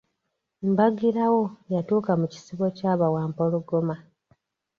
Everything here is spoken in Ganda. Mbagirawo, yatuuka mu kisibo kya bawampologoma.